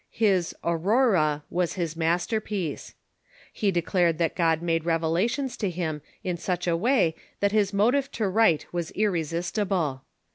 His '^ Aurora" was his masterpiece. He declared that God made revelations to him in such way that his motive to write was irresistible.